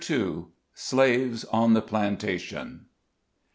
SLAVES ON THE PLANTATION.